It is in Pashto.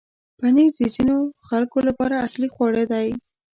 پنېر د ځینو خلکو لپاره اصلي خواړه دی.